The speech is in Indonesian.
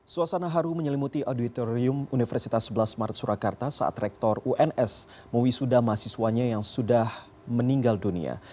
suasana haru menyelimuti auditorium universitas sebelas maret surakarta saat rektor uns mewisuda mahasiswanya yang sudah meninggal dunia